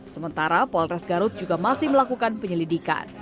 sementara polres garut juga masih melakukan penyelidikan